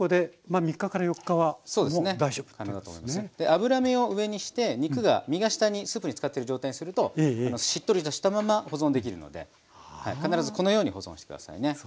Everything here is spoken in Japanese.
脂身を上にして肉が身が下にスープにつかってる状態にするとしっとりとしたまま保存できるので必ずこのように保存して下さいね。